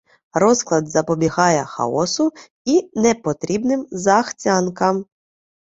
Розклад запобігає хаосу і непотрібним захцянкам.